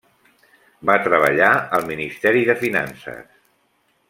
Va treballar al ministeri de Finances.